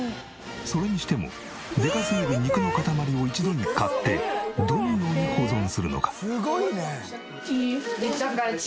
それにしてもでかすぎる肉の塊を一度に買ってどのように保存するのか？